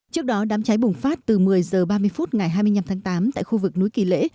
trước đó đám cháy bùng phát từ một mươi h ba mươi phút ngày hai mươi năm tháng tám tại khu vực núi kỳ lễ